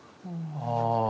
ああ。